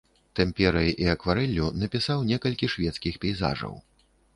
Тэмперай і акварэллю напісаў некалькі шведскіх пейзажаў.